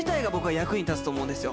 役に立つと思うんですよ。